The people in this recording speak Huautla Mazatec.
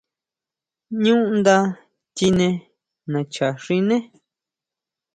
ʼÑú nda chine nacha xiné.